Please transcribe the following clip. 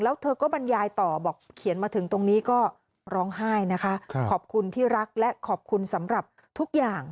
แล้วเธอก็บรรยายต่อบอกเขียนมาถึงตรงนี้ก็ร้องไห้นะคะขอบคุณที่รักและขอบคุณสำหรับทุกอย่าง